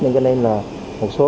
nên cho nên là một số